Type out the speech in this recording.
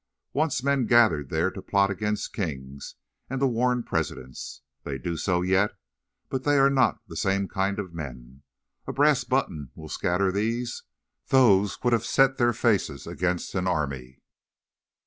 Once men gathered there to plot against kings, and to warn presidents. They do so yet, but they are not the same kind of men. A brass button will scatter these; those would have set their faces against an army.